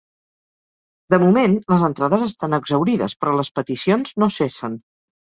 De moment les entrades estan exhaurides, però les peticions no cessen.